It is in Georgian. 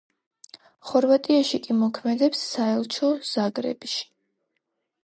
ხორვატიაში კი მოქმედებს საელჩო ზაგრებში.